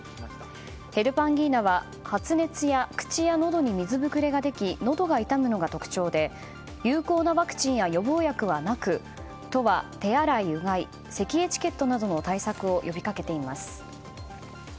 ヘルパンギーナは発熱や口やのどに水ぶくれができのどが痛むのが特徴で有効なワクチンや予防薬はなく都は手洗いやうがいせきエチケットなどの対策を呼びかけています。